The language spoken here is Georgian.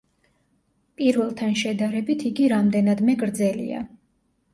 პირველთან შედარებით იგი რამდენადმე გრძელია.